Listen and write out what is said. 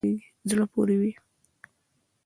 که په هر ګام کې بریا ووینې، نو پايله به په زړه پورې وي.